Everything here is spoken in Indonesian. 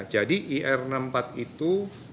jadi ir enam puluh empat itu